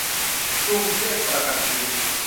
กรุงเทพประกันชีวิต